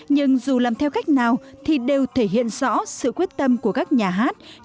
nhưng dù làm theo cách nào thì đều thể hiện rõ sự quyết tâm của các nhà hát